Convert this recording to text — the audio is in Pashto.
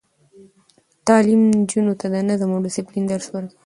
تعلیم نجونو ته د نظم او دسپلین درس ورکوي.